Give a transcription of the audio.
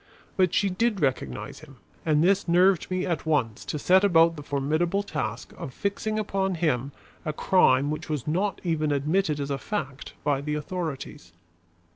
But she did recognize him; and this nerved me at once to set about the formidable task of fixing upon him a crime which was not even admitted as a fact by the authorities.